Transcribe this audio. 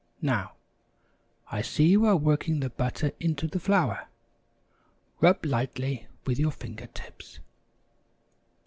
Now, I see you are working the butter into the flour. Rub lightly with your finger tips.